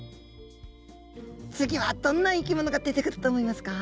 次はどんな生き物が出てくると思いますか？